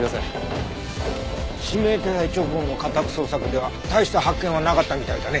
指名手配直後の家宅捜索では大した発見はなかったみたいだね。